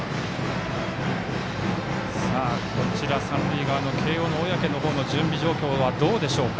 三塁側の慶応の小宅の方の準備状況はどうでしょうか。